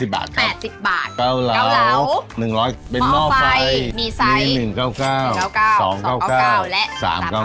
๘๐บาทเกาเหลา๑๐๐เป็นหม้อไฟมีไซส์๑๙๙๙๒๙๙และ๓๙